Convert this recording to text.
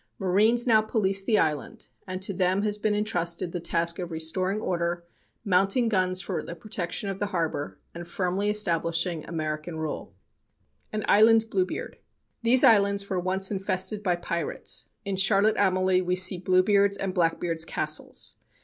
Marines now police the island, and to them has been entrusted the task of restoring order, mounting guns for the protection of the harbor, and firmly establishing American rule. [Illustration: VIRGIN ISLAND TAXI CAB AND EXPRESS SERVICE] An Island Bluebeard These islands were once infested by pirates; in Charlotte Amalie we see Bluebeard's and Blackbeard's castles.